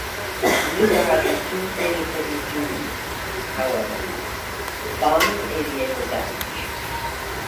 A new badge was soon created for these duties, however: the Bombing Aviator Badge.